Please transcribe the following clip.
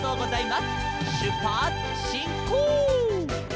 「しゅっぱつしんこう！」